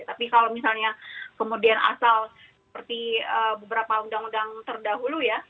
tapi kalau misalnya kemudian asal seperti beberapa undang undang terdahulu ya